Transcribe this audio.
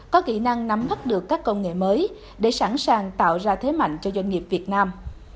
có kỹ năng nắm mắt được các công nghệ mới để sẵn sàng tạo ra thế mạnh cho doanh nghiệp việt nam